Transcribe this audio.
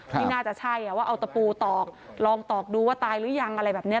ที่น่าจะใช่ว่าเอาตะปูตอกลองตอกดูว่าตายหรือยังอะไรแบบนี้